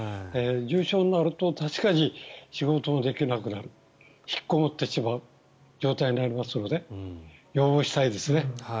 重症になると確かに仕事ができなくなる引きこもってしまう状態になりますので予防したいですね。